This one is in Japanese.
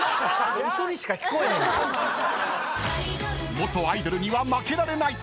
［元アイドルには負けられない］